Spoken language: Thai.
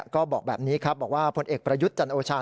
ก็บอกแบบนี้ครับบอกว่าผลเอกประยุทธ์จันโอชา